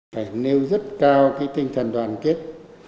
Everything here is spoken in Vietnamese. phải nêu rất cao cái tinh thần đoàn kết